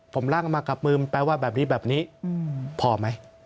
ผมร่างมากับมือแปลว่าแบบนี้แบบนี้พอไหม